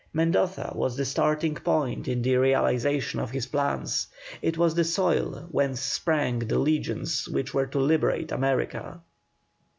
Mendoza was the starting point in the realization of his plans; it was the soil whence sprang the legions which were to liberate America.